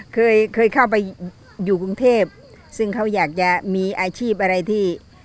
เคยเคยเข้าไปอยู่กรุงเทพซึ่งเขาอยากจะมีอาชีพอะไรที่